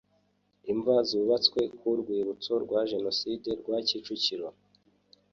Imva zubatswe ku Rwibutso rwa Jenoside rwa kicukiro